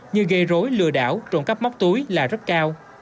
như gây rối lừa đảo trộm cắp móc túi là rất cao